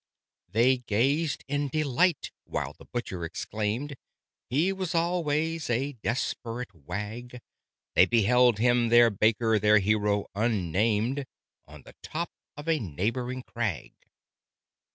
They gazed in delight, while the Butcher exclaimed "He was always a desperate wag!" They beheld him their Baker their hero unnamed On the top of a neighboring crag.